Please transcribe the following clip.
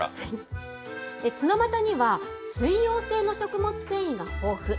ツノマタには水溶性の食物繊維が豊富。